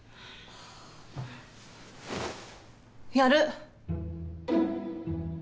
やる！